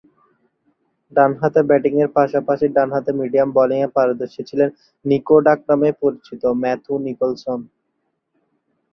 ডানহাতে ব্যাটিংয়ের পাশাপাশি ডানহাতে মিডিয়াম বোলিংয়ে পারদর্শী ছিলেন ‘নিকো’ ডাকনামে পরিচিত ম্যাথু নিকোলসন।